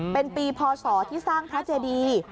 เป็นปีพศที่สร้างพระเจดี